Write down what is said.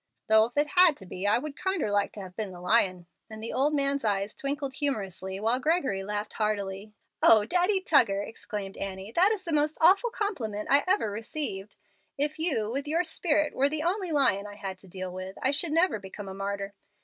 Though, if it had to be, I would kinder liked to have been the lion:" and the old man's eyes twinkled humorously, while Gregory laughed heartily. "Oh, Daddy Tuggar!" exclaimed Annie, "that is the most awful compliment I ever received. If you, with your spirit, were the only lion I had to deal with, I should never become a martyr.